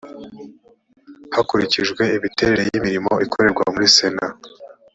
hakurikijwe imiterere y imirimo ikorerwa muri sena